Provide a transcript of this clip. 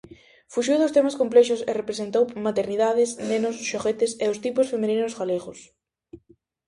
Fuxiu dos temas complexos e representou maternidades, nenos, xoguetes e os tipos femininos galegos.